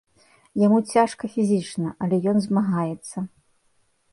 Яму цяжка фізічна, але ён змагаецца.